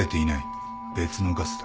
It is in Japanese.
別のガスだ。